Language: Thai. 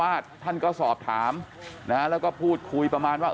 ท่านเจ้าวาดท่านก็สอบถามนะแล้วก็พูดคุยประมาณว่า